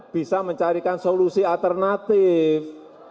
bisa mencarikan solusi alternatif